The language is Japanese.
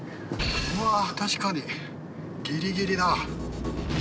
わあ確かにギリギリだ。